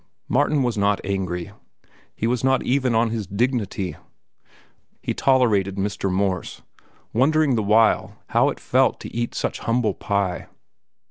Martin was not angry. He was not even on his dignity. He tolerated Mr. Morse, wondering the while how it felt to eat such humble pie.